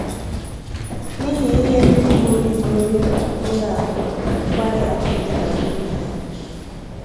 n'ihi ihe mbigbo bigboro n'otu ụlọ nkwariakụ dị n'Abeokuta